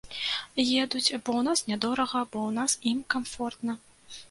Едуць бо ў нас нядорага, бо ў нас ім камфортна.